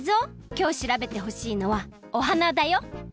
きょう調べてほしいのはお花だよ！